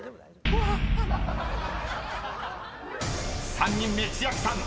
［３人目千秋さん